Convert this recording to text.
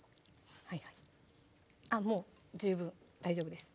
もう十分大丈夫です